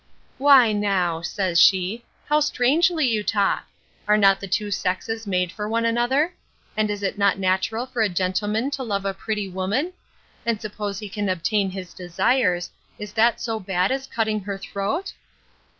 Why now, says she, how strangely you talk! Are not the two sexes made for one another? And is it not natural for a gentleman to love a pretty woman? And suppose he can obtain his desires, is that so bad as cutting her throat?